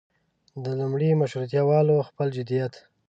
د لومړي مشروطیه والو خپل جديت.